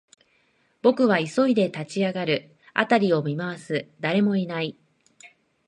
僕は急いで立ち上がる、辺りを見回す、誰もいない